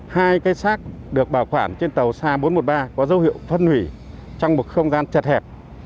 hai cái xác được bảo quản trên tàu sa bốn trăm một mươi ba có dấu hiệu phân hủy trong một không gian chật hẹp